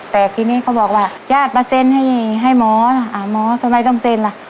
แตกทีนี้ก็บอกว่าย่าทมาเซ็นให้ให้หมอหมอสมัยต้องเซ็นล่ะ